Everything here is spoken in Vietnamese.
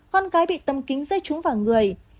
con gái bị tâm kính rơi trúng vào người